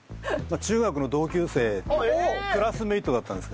中学の同級生クラスメイトだったんです。